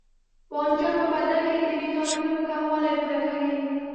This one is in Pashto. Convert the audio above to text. بانجان په بدن کې د ویټامینونو کموالی پوره کوي.